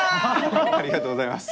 ありがとうございます。